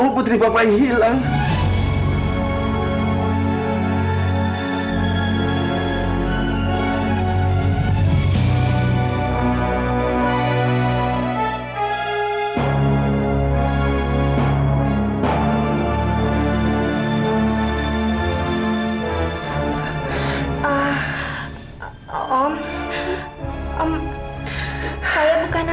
kamu putri bapak yang hilang